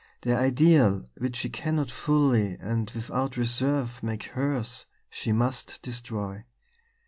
The ideal which she cannot fully and without reserve make hers she must destroy.